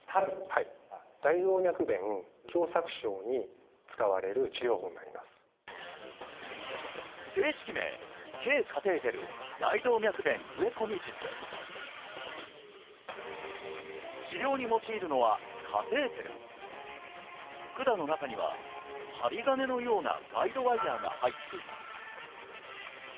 はい正式名治療に用いるのは管の中には針金のようなガイドワイヤーが入っています